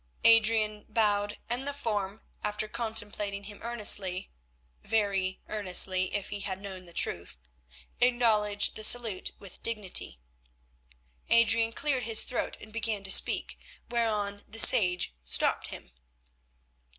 Adrian bowed, and the form, after contemplating him earnestly—very earnestly, if he had known the truth—acknowledged the salute with dignity. Adrian cleared his throat and began to speak, whereon the sage stopped him.